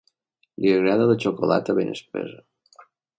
Li agrada la xocolata ben espessa.